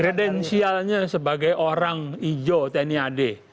kredensialnya sebagai orang ijo tni ad